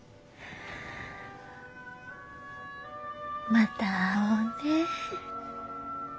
また会おうね。